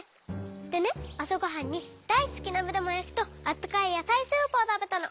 でねあさごはんにだいすきなめだまやきとあったかいやさいスープをたべたの。